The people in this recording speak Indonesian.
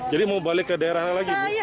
jadi mau balik ke daerah lagi